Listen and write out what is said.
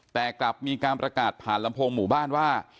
แต่กลับมีการประกาศผ่านลำโพงหมู่บ้านว่า